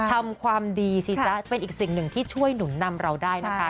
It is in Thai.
ทำความดีสิจ๊ะเป็นอีกสิ่งหนึ่งที่ช่วยหนุนนำเราได้นะคะ